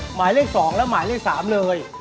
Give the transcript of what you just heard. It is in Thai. หมายเลข๒และหมายเลข๓เลย